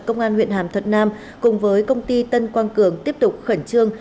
công an huyện hàm thuận nam cùng với công ty tân quang cường tiếp tục khẩn trương